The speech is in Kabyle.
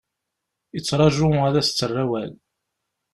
Yettraju ad as-d-terr awal.